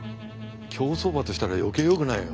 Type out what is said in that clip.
競走馬としたら余計よくないよ。